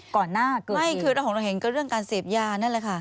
ก่อนหน้าเกิดทีไม่คือรอห่องระแหงก็เรื่องการเสพยานั่นแหละค่ะ